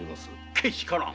けしからん！